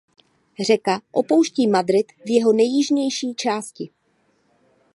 Řeka opouští Madrid v jeho nejjižnější části.